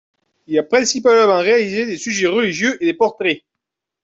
Il a principalement réalisé des sujets religieux et des portraits.